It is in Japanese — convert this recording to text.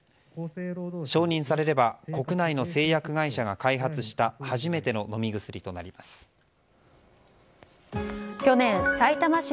承認されれば国内の製薬会社が開発した初めての飲み薬となります。